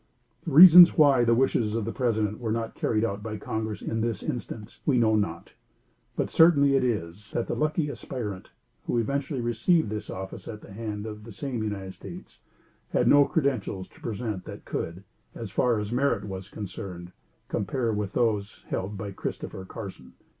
The reasons why the wishes of the President were not carried out by Congress in this instance, we know not; but, certain it is, that the lucky aspirant who eventually received this office at the hands of the same United States, had no credentials to present that could, as far as merit was concerned, compare with those held by Christopher Carson.